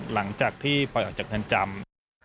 หลังจากที่ปล่อยออกจากเรือนจำ